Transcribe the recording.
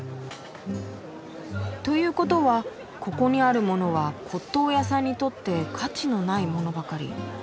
ということはここにあるものは骨董屋さんにとって価値のないものばかり。